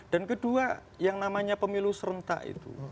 dan kedua yang namanya pemilu serentak itu